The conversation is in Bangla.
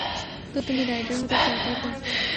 তো তুমি রাইডার হতে চাও, তাই তো?